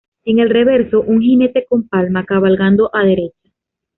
En el reverso, un jinete con palma, cabalgando a derecha.